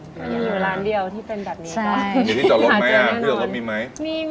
มีที่จอดรถไหมมีที่จอดรถมีไหม